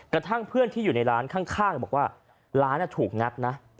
กระทั่งเพื่อนที่อยู่ในร้านข้างบอกว่าร้านถูกงัดนะ